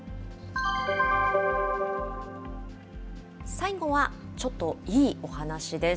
最後は、ちょっといいお話です。